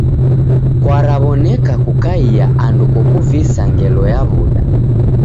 Kwaraw'oneka kukaia andu kokuvisa ngelo ya w'uda.